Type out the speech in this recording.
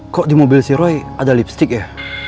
kok di mobil si roy ada listrik ya